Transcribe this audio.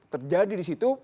terjadi di situ